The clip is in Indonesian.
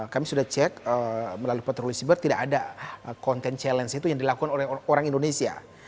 kami sudah cek melalui patroli siber tidak ada content challenge itu yang dilakukan oleh orang indonesia